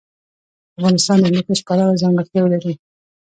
افغانستان د هندوکش پلوه ځانګړتیاوې لري.